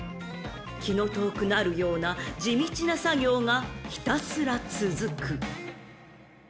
［気の遠くなるような地道な作業がひたすら続く］